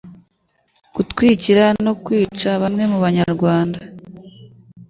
gutwikira no kwica bamwe mu Banyarwanda